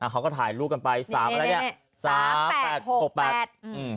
เขาก็ถ่ายรูปกันไป๓อะไรเนี่ย